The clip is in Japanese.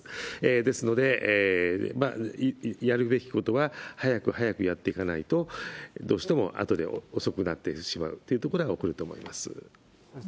ですので、やるべきことは早く早くやっていかないと、どうしてもあとで遅くなってしまうということが起こると思います。